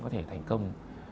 có thể thành công